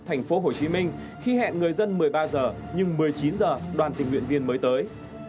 thành phố hồ chí minh khi hẹn người dân một mươi ba h nhưng một mươi chín h đoàn tình nguyện viên mới tới